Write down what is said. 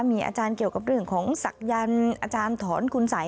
มีอาจารย์เกี่ยวกับเรื่องของศักยันต์อาจารย์ถอนคุณสัย